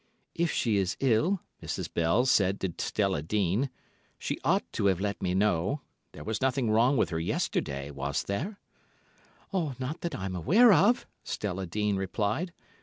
"If she is ill," Mrs. Bell said to Stella Dean, "she ought to have let me know. There was nothing wrong with her yesterday, was there?" "Not that I am aware of," Stella Dean replied.